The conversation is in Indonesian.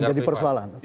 melanjat dari persoalan